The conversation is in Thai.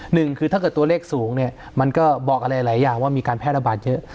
หนึ่งคือถ้าเกิดตัวเลขสูงเนี่ยมันก็บอกอะไรหลายอย่างว่ามีการแพร่ระบาดเยอะ